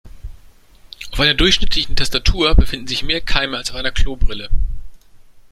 Auf einer durchschnittlichen Tastatur befinden sich mehr Keime als auf einer Klobrille.